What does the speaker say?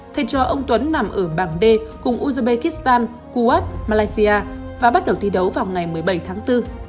thầy trò ông tuấn nằm ở bảng d cùng uzbekistan kuwait malaysia và bắt đầu thi đấu vào ngày một mươi bảy tháng bốn